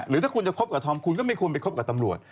หรือถ้าคุณจะคบกับธอมคุณก็ไม่ควรไปคบกับตำรวจ